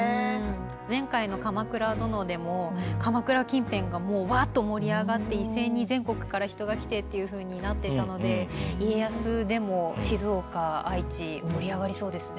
前回の「鎌倉殿」でも鎌倉近辺が、もうわっと盛り上がって一斉に全国から人が来てっていうふうになっていたので家康でも静岡、愛知盛り上がりそうですね。